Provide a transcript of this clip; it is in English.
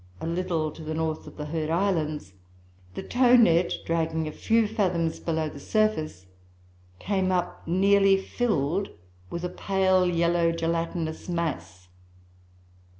a little to the north of the Heard Islands, the tow net, dragging a few fathoms below the surface, came up nearly filled with a pale yellow gelatinous mass.